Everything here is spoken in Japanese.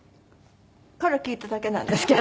から聞いただけなんですけど。